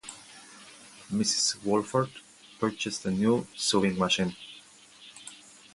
Mrs. Wolford purchased a new sewing machine.